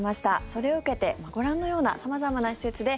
それを受けてご覧のような様々な施設で